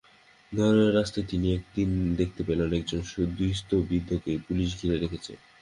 নরওয়ের রাস্তায় তিনি একদিন দেখতে পেলেন একজন দুস্থ বৃদ্ধকে পুলিশ ঘিরে রেখেছে।